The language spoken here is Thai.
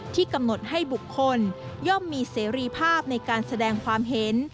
กำหนดให้บุคคลย่อมมีเสรีภาพในการแสดงความเห็น